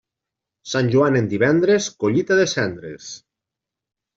Sant Joan en divendres, collita de cendres.